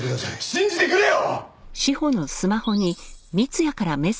信じてくれよ！